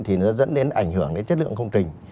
thì nó dẫn đến ảnh hưởng đến chất lượng công trình